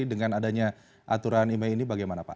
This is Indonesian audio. dengan adanya aturan email ini bagaimana pak